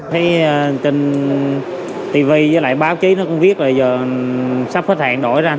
thấy trên tv với lại báo chí nó cũng viết là giờ sắp hết hạn đổi ra